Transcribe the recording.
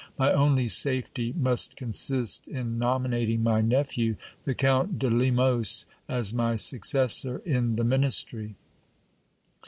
My only safety must consist in nominating my nephew, the Count de Lemos, as my successor in the ministry.